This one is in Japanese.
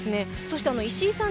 石井さん